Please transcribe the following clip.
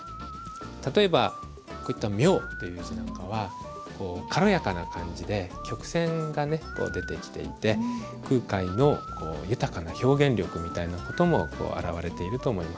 例えばこういった「妙」っていう字なんかは軽やかな感じで曲線が出てきていて空海の豊かな表現力みたいな事も表れていると思います。